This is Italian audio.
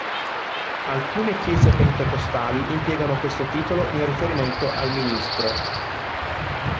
Alcune chiese pentecostali impiegano questo titolo in riferimento al ministro.